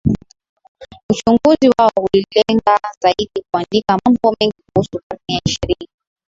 uchunguzi wao ulilenga zaidi kuandika mambo mengi kuhusu karne ya ishirini